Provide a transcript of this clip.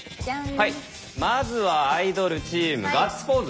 はいまずはアイドルチーム「ガッツポーズ」。